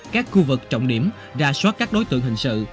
các khu vực trọng điểm ra soát các đối tượng hình sự